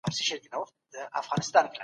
عدالت د پیسو په بدل کي پلورل کیږي.